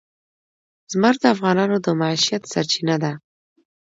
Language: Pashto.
زمرد د افغانانو د معیشت سرچینه ده.